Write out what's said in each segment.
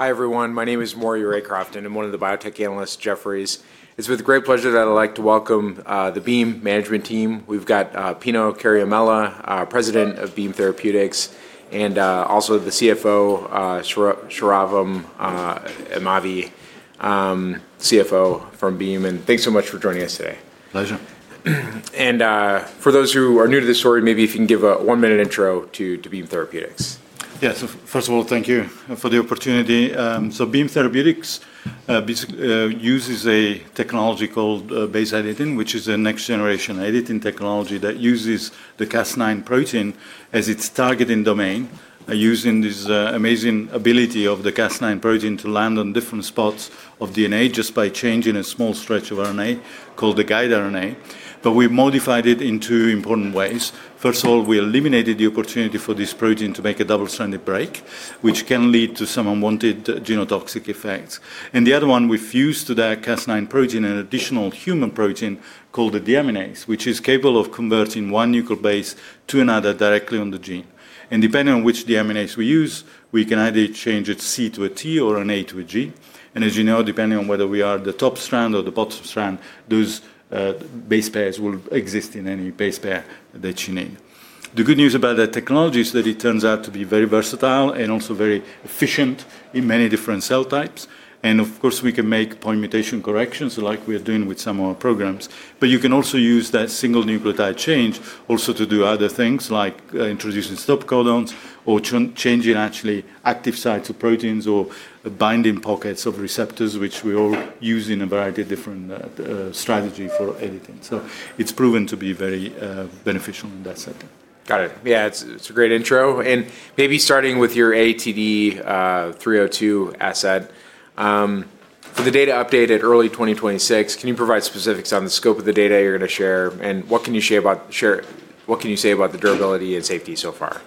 Hi everyone, my name is Maury Raycroft. I'm one of the biotech analysts, Jefferies. It's with great pleasure that I'd like to welcome the Beam Management Team. We've got Giuseppe Ciaramella, President of Beam Therapeutics, and also the CFO, Sravan Emany, CFO from Beam. Thanks so much for joining us today. Pleasure. For those who are new to the story, maybe if you can give a one-minute intro to Beam Therapeutics. Yeah, so first of all, thank you for the opportunity. Beam Therapeutics uses a technology called base editing, which is a next-generation editing technology that uses the Cas9 protein as its targeting domain, using this amazing ability of the Cas9 protein to land on different spots of DNA just by changing a small stretch of RNA called the guide RNA. We modified it in two important ways. First of all, we eliminated the opportunity for this protein to make a double-stranded break, which can lead to some unwanted genotoxic effects. The other one, we fused to that Cas9 protein an additional human protein called the deaminase, which is capable of converting one nucleobase to another directly on the gene. Depending on which deaminase we use, we can either change its C to a T or an A to a G. As you know, depending on whether we are the top strand or the bottom strand, those base pairs will exist in any base pair that you need. The good news about that technology is that it turns out to be very versatile and also very efficient in many different cell types. Of course, we can make point mutation corrections like we are doing with some of our programs. You can also use that single nucleotide change to do other things like introducing stop codons or changing actually active sites of proteins or binding pockets of receptors, which we all use in a variety of different strategies for editing. It has proven to be very beneficial in that setting. Got it. Yeah, it's a great intro. Maybe starting with your AATD 302 asset, for the data update at early 2026, can you provide specifics on the scope of the data you're going to share? What can you say about the durability and safety so far?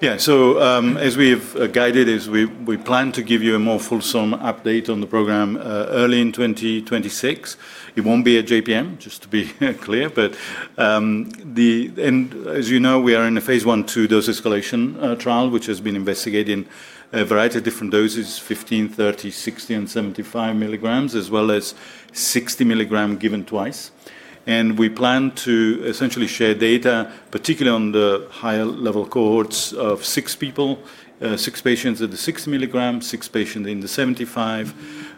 Yeah, as we've guided, we plan to give you a more fulsome update on the program early in 2026. It won't be at JPM, just to be clear. As you know, we are in a phase one/two dose escalation trial, which has been investigated in a variety of different doses: 15, 30, 60, and 75 milligrams, as well as 60 milligrams given twice. We plan to essentially share data, particularly on the higher-level cohorts of six people, six patients at the 60 milligram, six patients in the 75.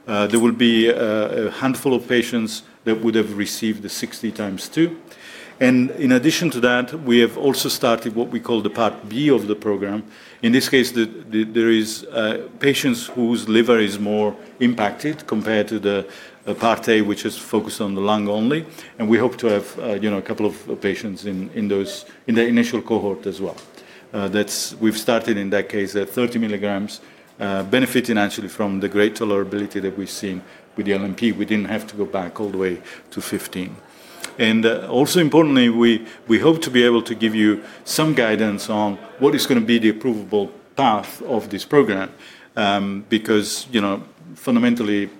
There will be a handful of patients that would have received the 60 times two. In addition to that, we have also started what we call the part B of the program. In this case, there are patients whose liver is more impacted compared to the part A, which is focused on the lung only. We hope to have a couple of patients in the initial cohort as well. We have started in that case at 30 milligrams, benefiting actually from the great tolerability that we have seen with the LNP. We did not have to go back all the way to 15. Also importantly, we hope to be able to give you some guidance on what is going to be the approvable path of this program, because fundamentally,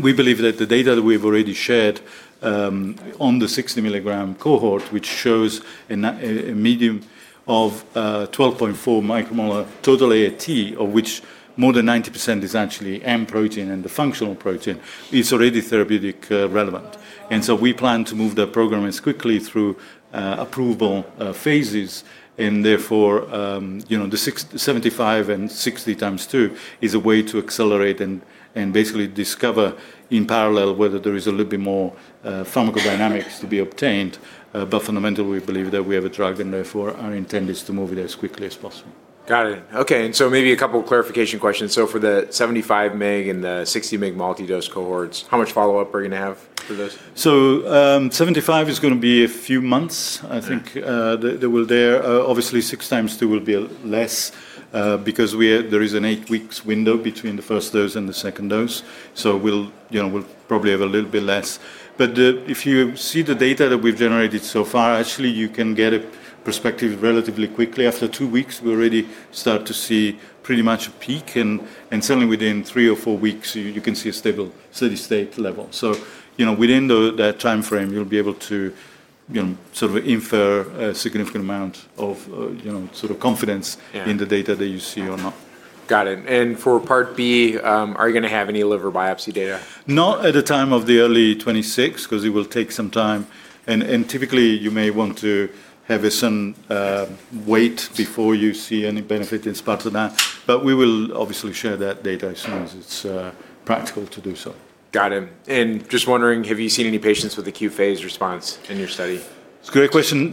we believe that the data that we have already shared on the 60 milligram cohort, which shows a median of 12.4 micromolar total AAT, of which more than 90% is actually AAT protein and the functional protein, is already therapeutically relevant. We plan to move the program as quickly through approval phases. The 75 and 60 times two is a way to accelerate and basically discover in parallel whether there is a little bit more pharmacodynamics to be obtained. Fundamentally, we believe that we have a drug and therefore our intent is to move it as quickly as possible. Got it. Okay, and maybe a couple of clarification questions. For the 75 meg and the 60 meg multi-dose cohorts, how much follow-up are you going to have for those? 75 is going to be a few months, I think. Obviously, six times two will be less because there is an eight-week window between the first dose and the second dose. We'll probably have a little bit less. If you see the data that we've generated so far, actually, you can get a perspective relatively quickly. After two weeks, we already start to see pretty much a peak. Certainly, within three or four weeks, you can see a stable steady-state level. Within that time frame, you'll be able to sort of infer a significant amount of sort of confidence in the data that you see or not. Got it. For part B, are you going to have any liver biopsy data? Not at the time of the early 2026, because it will take some time. Typically, you may want to have some wait before you see any benefit in spite of that. We will obviously share that data as soon as it's practical to do so. Got it. Just wondering, have you seen any patients with acute phase response in your study? It's a great question.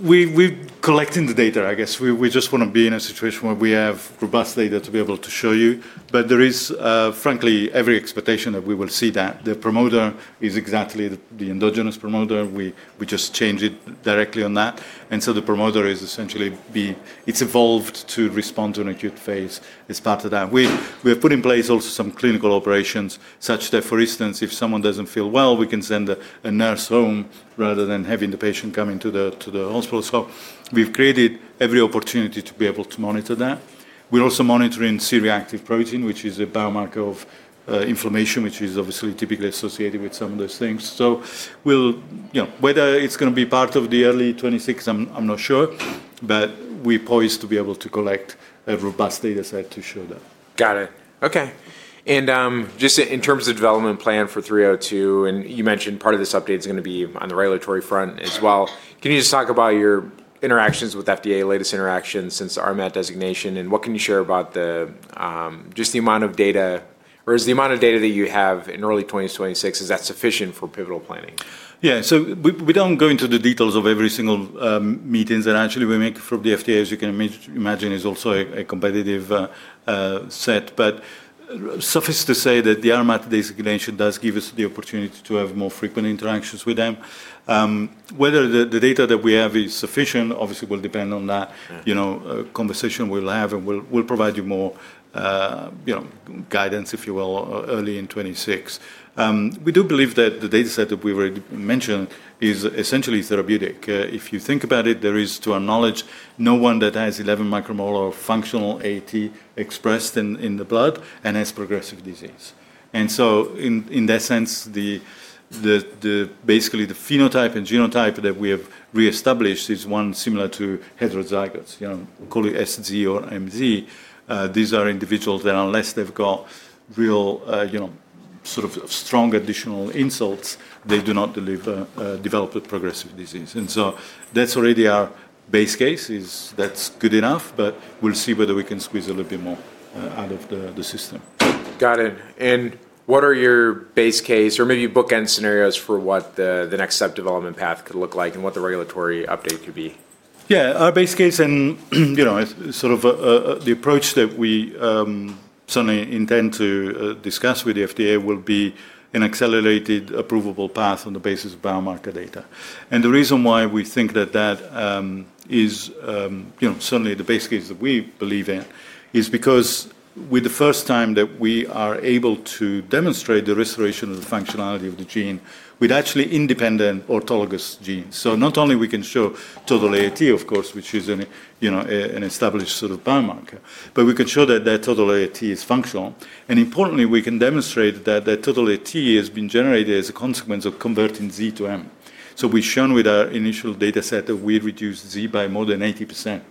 We're collecting the data, I guess. We just want to be in a situation where we have robust data to be able to show you. There is, frankly, every expectation that we will see that. The promoter is exactly the endogenous promoter. We just change it directly on that. The promoter is essentially, it has evolved to respond to an acute phase as part of that. We have put in place also some clinical operations such that, for instance, if someone doesn't feel well, we can send a nurse home rather than having the patient come into the hospital. We've created every opportunity to be able to monitor that. We're also monitoring C-reactive protein, which is a biomarker of inflammation, which is obviously typically associated with some of those things. Whether it's going to be part of the early 2026, I'm not sure. But we're poised to be able to collect a robust data set to show that. Got it. Okay. Just in terms of development plan for 302, you mentioned part of this update is going to be on the regulatory front as well. Can you just talk about your interactions with FDA, latest interactions since the RMAT designation? What can you share about just the amount of data, or is the amount of data that you have in early 2026, is that sufficient for pivotal planning? Yeah, so we don't go into the details of every single meeting that actually we make from the FDA, as you can imagine, is also a competitive set. Suffice to say that the RMAT designation does give us the opportunity to have more frequent interactions with them. Whether the data that we have is sufficient, obviously will depend on that conversation we'll have. We'll provide you more guidance, if you will, early in 2026. We do believe that the data set that we already mentioned is essentially therapeutic. If you think about it, there is, to our knowledge, no one that has 11 micromolar functional AAT expressed in the blood and has progressive disease. In that sense, basically the phenotype and genotype that we have reestablished is one similar to heterozygous, call it SZ or MZ. These are individuals that unless they've got real sort of strong additional insults, they do not develop a progressive disease. That is already our base case. That is good enough. We'll see whether we can squeeze a little bit more out of the system. Got it. What are your base case or maybe bookend scenarios for what the next step development path could look like and what the regulatory update could be? Yeah, our base case and sort of the approach that we certainly intend to discuss with the FDA will be an accelerated approvable path on the basis of biomarker data. The reason why we think that that is certainly the base case that we believe in is because with the first time that we are able to demonstrate the restoration of the functionality of the gene with actually independent orthologous genes. Not only can we show total AAT, of course, which is an established sort of biomarker, but we can show that that total AAT is functional. Importantly, we can demonstrate that that total AAT has been generated as a consequence of converting Z to M. We have shown with our initial data set that we reduced Z by more than 80%.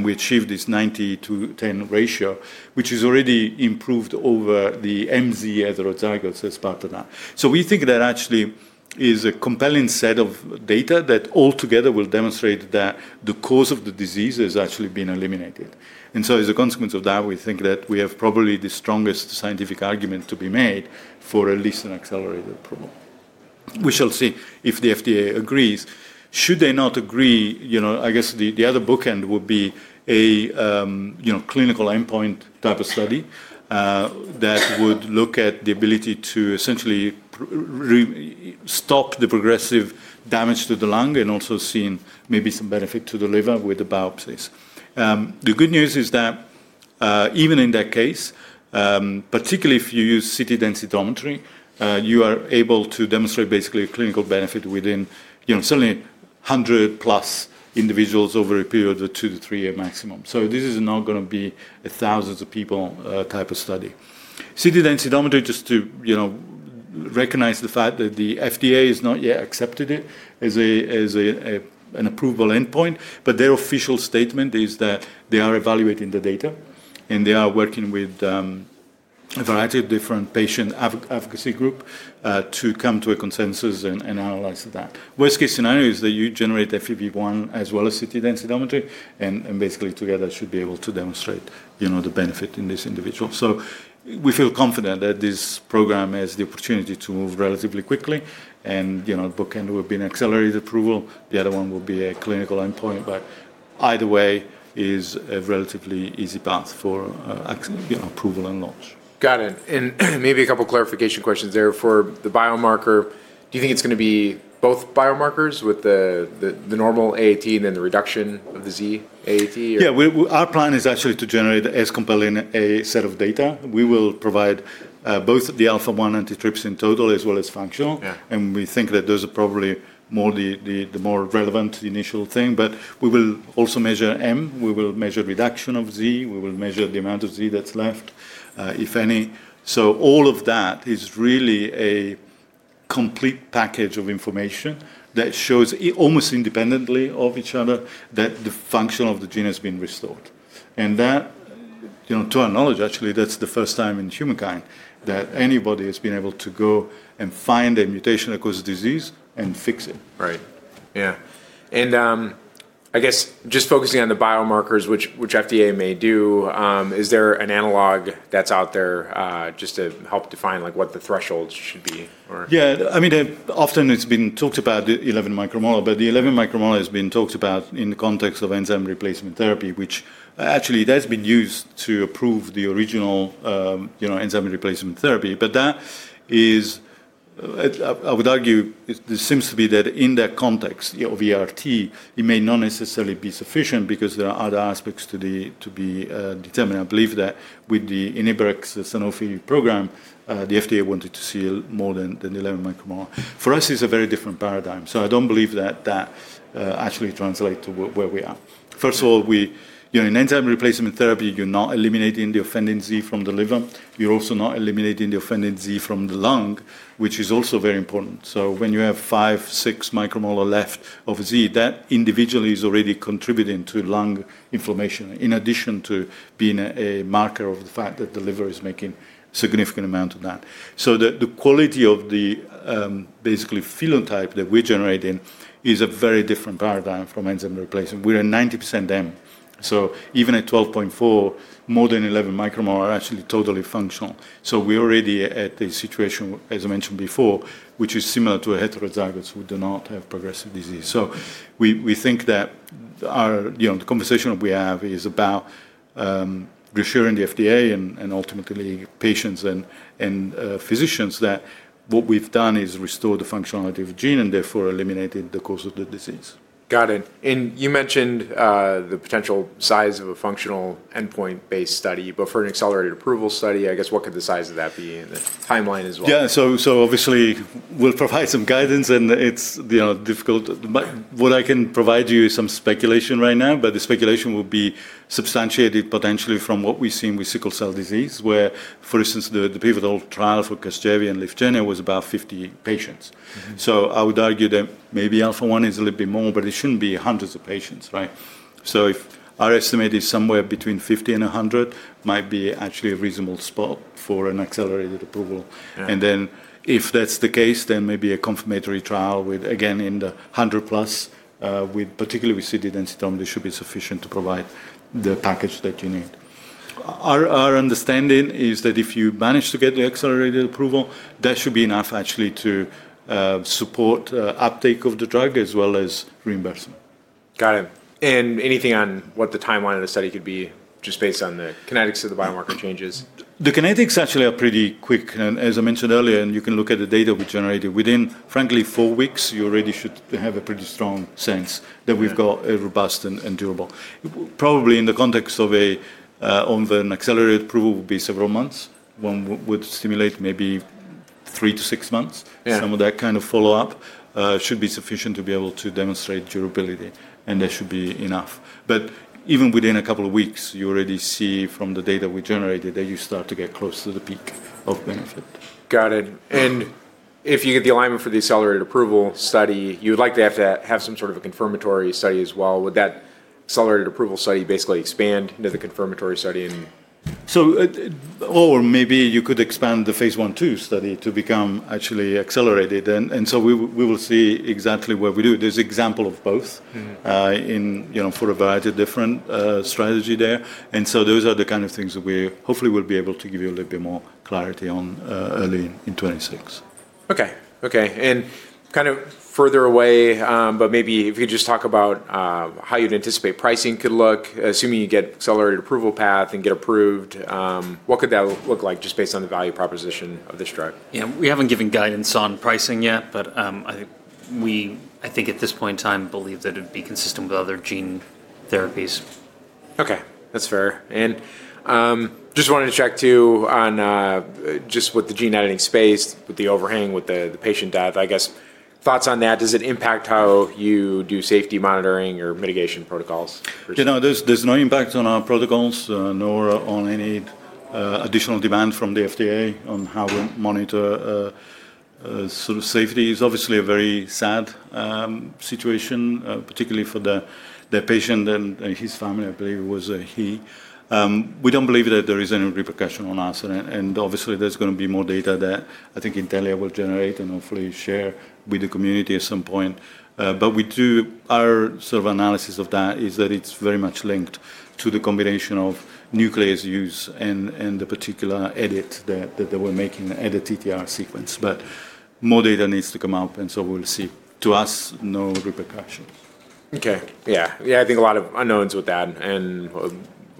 We achieved this 90 to 10 ratio, which is already improved over the MZ heterozygous as part of that. We think that actually is a compelling set of data that altogether will demonstrate that the cause of the disease has actually been eliminated. As a consequence of that, we think that we have probably the strongest scientific argument to be made for at least an accelerated approval. We shall see if the FDA agrees. Should they not agree, I guess the other bookend would be a clinical endpoint type of study that would look at the ability to essentially stop the progressive damage to the lung and also see maybe some benefit to the liver with the biopsies. The good news is that even in that case, particularly if you use CT densitometry, you are able to demonstrate basically a clinical benefit within certainly 100+ individuals over a period of two to three years maximum. This is not going to be a thousands of people type of study. CT densitometry, just to recognize the fact that the FDA has not yet accepted it as an approval endpoint, but their official statement is that they are evaluating the data and they are working with a variety of different patient advocacy groups to come to a consensus and analyze that. Worst case scenario is that you generate FEV1 as well as CT densitometry and basically together should be able to demonstrate the benefit in this individual. We feel confident that this program has the opportunity to move relatively quickly. The bookend will be an accelerated approval. The other one will be a clinical endpoint. Either way is a relatively easy path for approval and launch. Got it. Maybe a couple of clarification questions there for the biomarker. Do you think it's going to be both biomarkers with the normal AAT and then the reduction of the Z-AAT? Yeah, our plan is actually to generate as compelling a set of data. We will provide both the alpha-1 antitrypsin total as well as functional. We think that those are probably the more relevant initial thing. We will also measure M. We will measure reduction of Z. We will measure the amount of Z that's left, if any. All of that is really a complete package of information that shows almost independently of each other that the function of the gene has been restored. To our knowledge, actually, that's the first time in humankind that anybody has been able to go and find a mutation that causes disease and fix it. Right. Yeah. I guess just focusing on the biomarkers, which FDA may do, is there an analog that's out there just to help define what the thresholds should be? Yeah, I mean, often it's been talked about, the 11 micromolar, but the 11 micromolar has been talked about in the context of enzyme replacement therapy, which actually has been used to approve the original enzyme replacement therapy. That is, I would argue, there seems to be that in that context of ERT, it may not necessarily be sufficient because there are other aspects to be determined. I believe that with the Inhibrx, Sanofi program, the FDA wanted to see more than 11 micromolar. For us, it's a very different paradigm. I don't believe that that actually translates to where we are. First of all, in enzyme replacement therapy, you're not eliminating the offending Z from the liver. You're also not eliminating the offending Z from the lung, which is also very important. When you have five, six micromolar left of Z, that individually is already contributing to lung inflammation in addition to being a marker of the fact that the liver is making a significant amount of that. The quality of the basically phenotype that we're generating is a very different paradigm from enzyme replacement. We're at 90% M. Even at 12.4, more than 11 micromolar are actually totally functional. We're already at the situation, as I mentioned before, which is similar to heterozygous. We do not have progressive disease. We think that the conversation we have is about reassuring the FDA and ultimately patients and physicians that what we've done is restored the functionality of the gene and therefore eliminated the cause of the disease. Got it. You mentioned the potential size of a functional endpoint-based study. For an accelerated approval study, I guess what could the size of that be and the timeline as well? Yeah, so obviously, we'll provide some guidance and it's difficult. What I can provide you is some speculation right now, but the speculation will be substantiated potentially from what we've seen with sickle cell disease, where, for instance, the pivotal trial for CASGEVY and LYFGENIA was about 50 patients. I would argue that maybe alpha-1 is a little bit more, but it shouldn't be hundreds of patients, right? If our estimate is somewhere between 50 and 100, it might be actually a reasonable spot for an accelerated approval. If that's the case, then maybe a confirmatory trial with, again, in the 100+, particularly with CT densitometry, should be sufficient to provide the package that you need. Our understanding is that if you manage to get the accelerated approval, that should be enough actually to support uptake of the drug as well as reimbursement. Got it. Anything on what the timeline of the study could be just based on the kinetics of the biomarker changes? The kinetics actually are pretty quick. As I mentioned earlier, and you can look at the data we generated within, frankly, four weeks, you already should have a pretty strong sense that we've got a robust and durable. Probably in the context of an accelerated approval would be several months. One would stimulate maybe three to six months. Some of that kind of follow-up should be sufficient to be able to demonstrate durability. That should be enough. Even within a couple of weeks, you already see from the data we generated that you start to get close to the peak of benefit. Got it. If you get the alignment for the accelerated approval study, you would likely have to have some sort of a confirmatory study as well. Would that accelerated approval study basically expand into the confirmatory study? Maybe you could expand the phase 1/2 study to become actually accelerated. We will see exactly what we do. There is an example of both for a variety of different strategies there. Those are the kind of things that we hopefully will be able to give you a little bit more clarity on early in 2026. Okay. Okay. Kind of further away, but maybe if you could just talk about how you'd anticipate pricing could look, assuming you get accelerated approval path and get approved, what could that look like just based on the value proposition of this drug? Yeah, we haven't given guidance on pricing yet, but I think at this point in time, I believe that it would be consistent with other gene therapies. Okay. That's fair. Just wanted to check too on just with the gene editing space, with the overhang with the patient death, I guess thoughts on that. Does it impact how you do safety monitoring or mitigation protocols? There's no impact on our protocols, nor on any additional demand from the FDA on how we monitor sort of safety. It's obviously a very sad situation, particularly for the patient and his family, I believe it was he. We don't believe that there is any repercussion on us. Obviously, there's going to be more data that I think Intellia will generate and hopefully share with the community at some point. Our sort of analysis of that is that it's very much linked to the combination of nuclease use and the particular edit that they were making at the TTR sequence. More data needs to come out. We'll see. To us, no repercussions. Okay. Yeah. Yeah, I think a lot of unknowns with that.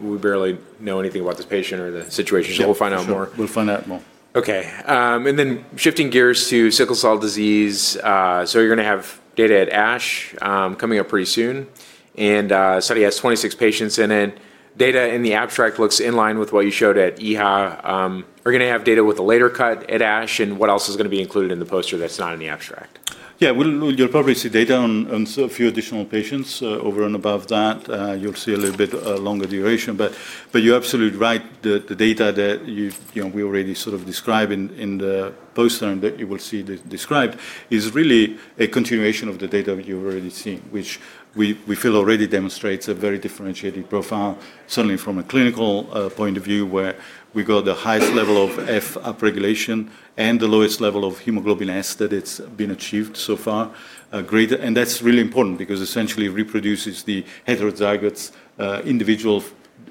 We barely know anything about this patient or the situation. We will find out more. We'll find out more. Okay. Shifting gears to sickle cell disease. You're going to have data at ASH coming up pretty soon. The study has 26 patients in it. Data in the abstract looks in line with what you showed at EHA. Are you going to have data with a later cut at ASH? What else is going to be included in the poster that's not in the abstract? Yeah, you'll probably see data on a few additional patients over and above that. You'll see a little bit longer duration. You're absolutely right. The data that we already sort of described in the poster and that you will see described is really a continuation of the data you've already seen, which we feel already demonstrates a very differentiated profile. Certainly from a clinical point of view, where we got the highest level of F upregulation and the lowest level of hemoglobin S that has been achieved so far. That's really important because essentially it reproduces the heterozygous individual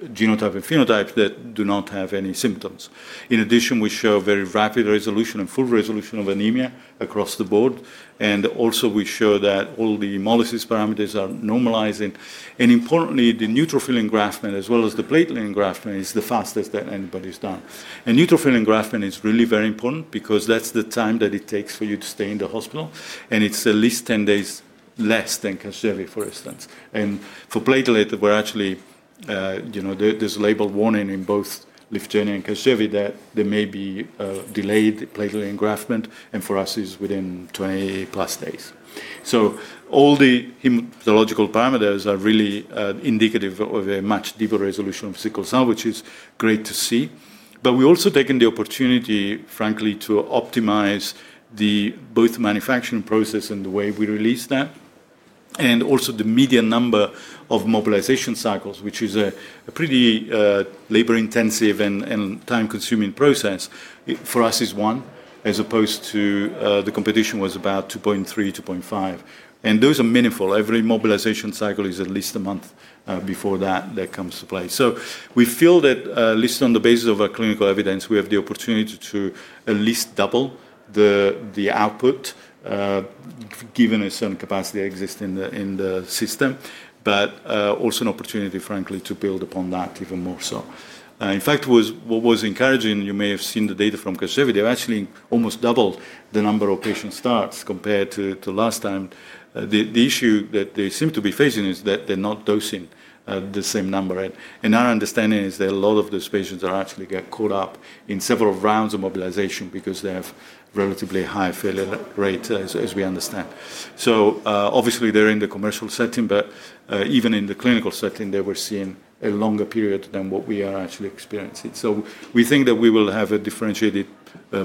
genotype and phenotype that do not have any symptoms. In addition, we show very rapid resolution and full resolution of anemia across the board. Also, we show that all the hemolysis parameters are normalizing. Importantly, the neutrophil engraftment as well as the platelet engraftment is the fastest that anybody's done. Neutrophil engraftment is really very important because that's the time that it takes for you to stay in the hospital. It's at least 10 days less than CASGEVY, for instance. For platelet, there's a label warning in both LYFGENIA and CASGEVY that there may be delayed platelet engraftment. For us, it's within 20+ days. All the hematological parameters are really indicative of a much deeper resolution of sickle cell, which is great to see. We also have taken the opportunity, frankly, to optimize both the manufacturing process and the way we release that. Also, the median number of mobilization cycles, which is a pretty labor-intensive and time-consuming process, for us is one, as opposed to the competition, which was about 2.3-2.5. Those are meaningful. Every mobilization cycle is at least a month before that comes to play. We feel that at least on the basis of our clinical evidence, we have the opportunity to at least double the output given a certain capacity that exists in the system, but also an opportunity, frankly, to build upon that even more so. In fact, what was encouraging, you may have seen the data from CASGEVY, they've actually almost doubled the number of patient starts compared to last time. The issue that they seem to be facing is that they're not dosing the same number. Our understanding is that a lot of those patients are actually caught up in several rounds of mobilization because they have a relatively high failure rate, as we understand. Obviously, they're in the commercial setting, but even in the clinical setting, they were seeing a longer period than what we are actually experiencing. We think that we will have a differentiated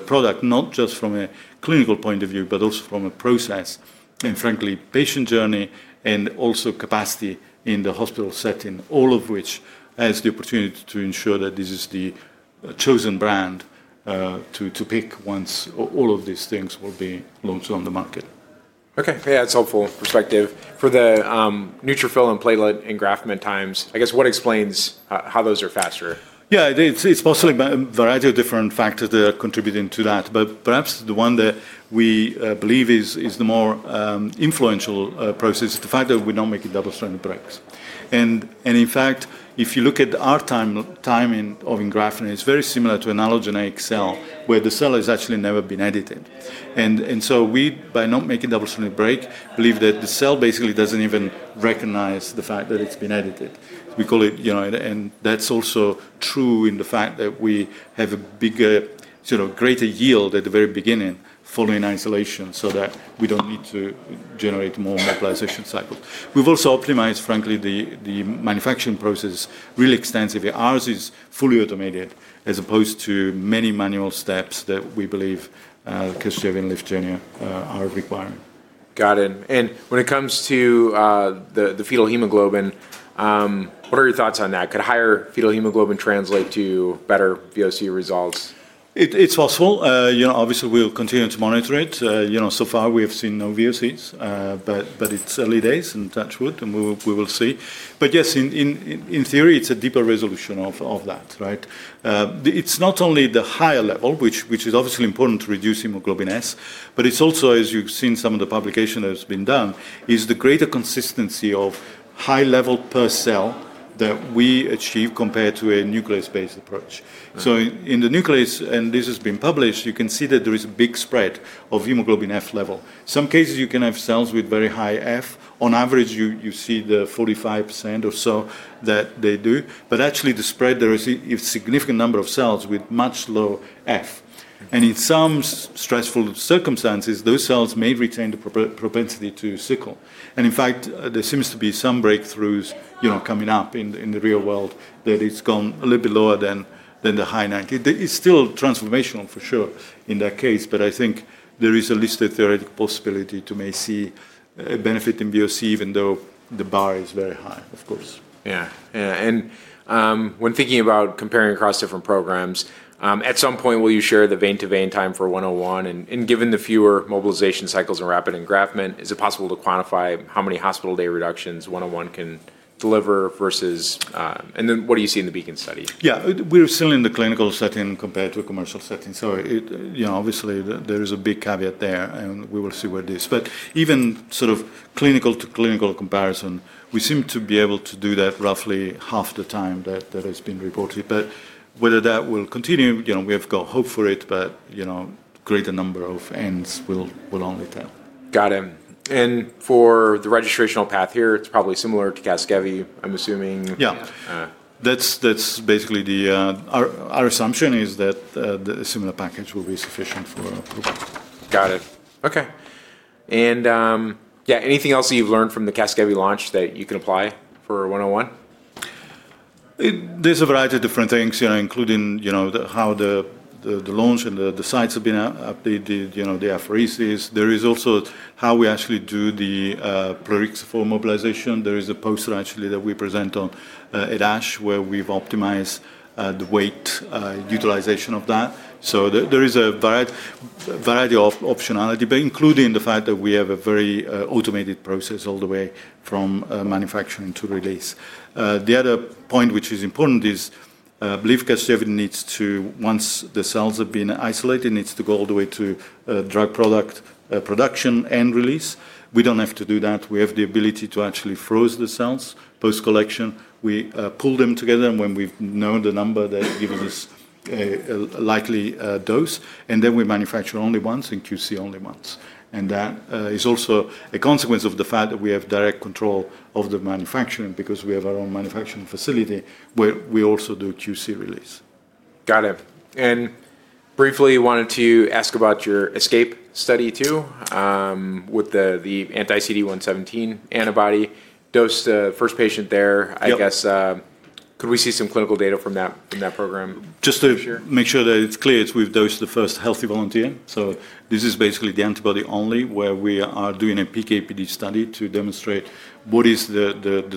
product, not just from a clinical point of view, but also from a process and, frankly, patient journey and also capacity in the hospital setting, all of which has the opportunity to ensure that this is the chosen brand to pick once all of these things will be launched on the market. Okay. Yeah, that's helpful perspective. For the neutrophil and platelet engraftment times, I guess what explains how those are faster? Yeah, it's possibly a variety of different factors that are contributing to that. Perhaps the one that we believe is the more influential process is the fact that we don't make a double-stranded break. In fact, if you look at our time of engraftment, it's very similar to an allogeneic cell where the cell has actually never been edited. We, by not making a double-stranded break, believe that the cell basically doesn't even recognize the fact that it's been edited. We call it, and that's also true in the fact that we have a bigger, greater yield at the very beginning following isolation so that we don't need to generate more mobilization cycles. We've also optimized, frankly, the manufacturing process really extensively. Ours is fully automated as opposed to many manual steps that we believe CASGEVY and LYFGENIA are requiring. Got it. When it comes to the fetal hemoglobin, what are your thoughts on that? Could a higher fetal hemoglobin translate to better VOC results? It's possible. Obviously, we'll continue to monitor it. So far, we have seen no VOCs, but it's early days, and that's good, and we will see. Yes, in theory, it's a deeper resolution of that, right? It's not only the higher level, which is obviously important to reduce hemoglobin S, but it's also, as you've seen some of the publication that has been done, is the greater consistency of high level per cell that we achieve compared to a nuclease-based approach. In the nuclease, and this has been published, you can see that there is a big spread of hemoglobin F level. Some cases, you can have cells with very high F. On average, you see the 45% or so that they do. Actually, the spread, there is a significant number of cells with much low F. In some stressful circumstances, those cells may retain the propensity to sickle. In fact, there seems to be some breakthroughs coming up in the real world that it has gone a little bit lower than the high 90%. It is still transformational for sure in that case, but I think there is at least a theoretical possibility to see a benefit in VOC, even though the bar is very high, of course. Yeah. Yeah. When thinking about comparing across different programs, at some point, will you share the vein-to-vein time for 101? Given the fewer mobilization cycles and rapid engraftment, is it possible to quantify how many hospital day reductions 101 can deliver versus? What do you see in the BEACON study? Yeah, we're still in the clinical setting compared to a commercial setting. Obviously, there is a big caveat there, and we will see where it is. Even sort of clinical to clinical comparison, we seem to be able to do that in roughly half the time that has been reported. Whether that will continue, we have got hope for it, but greater number of ends will only tell. Got it. For the registrational path here, it's probably similar to CASGEVY, I'm assuming. Yeah. That's basically our assumption is that a similar package will be sufficient for approval. Got it. Okay. Yeah, anything else that you've learned from the CASGEVY launch that you can apply for 101? There's a variety of different things, including how the launch and the sites have been updated, the apheresis. There is also how we actually do the plerixafor mobilization. There is a poster actually that we present on at ASH where we've optimized the way utilization of that. There is a variety of optionality, but including the fact that we have a very automated process all the way from manufacturing to release. The other point which is important is, I believe CASGEVY needs to, once the cells have been isolated, needs to go all the way to drug product production and release. We don't have to do that. We have the ability to actually freeze the cells post-collection. We pull them together, and when we've known the number, they give us a likely dose. And then we manufacture only once and QC only once. That is also a consequence of the fact that we have direct control of the manufacturing because we have our own manufacturing facility where we also do QC release. Got it. Briefly, I wanted to ask about your ESCAPE study too with the anti-CD117 antibody dosed to the first patient there. I guess could we see some clinical data from that program? Just to make sure that it's clear, we've dosed the first healthy volunteer. This is basically the antibody only where we are doing a PKPD study to demonstrate what is the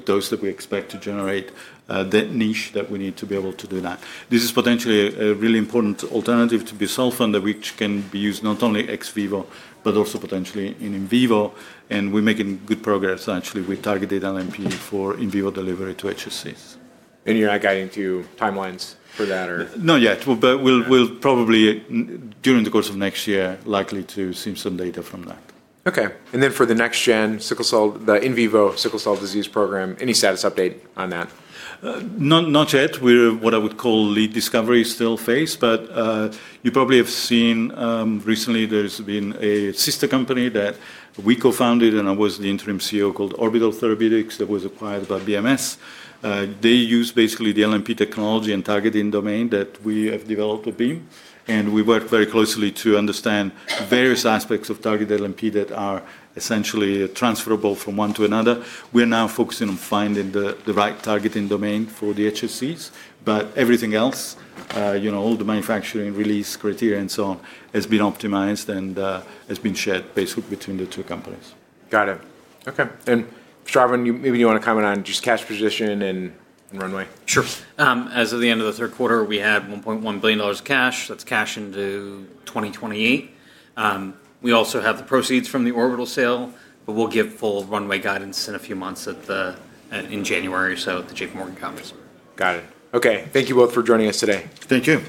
dose that we expect to generate that niche that we need to be able to do that. This is potentially a really important alternative to bisulfa, which can be used not only ex vivo but also potentially in in vivo. We're making good progress actually with targeted LNP for in vivo delivery to HSCs. You're not guiding to timelines for that? Not yet, but we'll probably during the course of next year, likely to see some data from that. Okay. For the next gen sickle cell, the in vivo sickle cell disease program, any status update on that? Not yet. We're in what I would call lead discovery still phase, but you probably have seen recently there's been a sister company that we co-founded, and I was the interim CEO called Orbital Therapeutics that was acquired by BMS They use basically the LNP technology and targeting domain that we have developed with Beam. We work very closely to understand various aspects of targeted LNP that are essentially transferable from one to another. We're now focusing on finding the right targeting domain for the HSCs, but everything else, all the manufacturing release criteria and so on, has been optimized and has been shared basically between the two companies. Got it. Okay. Sravan, maybe you want to comment on just cash position and runway? Sure. As of the end of the third quarter, we had $1.1 billion cash. That's cash into 2028. We also have the proceeds from the Orbital sale, but we'll give full runway guidance in a few months in January or so at the JPMorgan Conference. Got it. Okay. Thank you both for joining us today. Thank you.